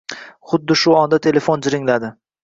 Xuddi shu onda telefon jiringladi